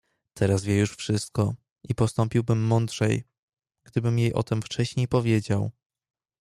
"Teraz wie już wszystko i postąpiłbym mądrzej, gdybym jej o tem wcześniej powiedział."